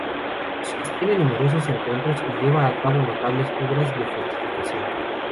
Sostiene numerosos encuentros y lleva a cabo notables obras de fortificación.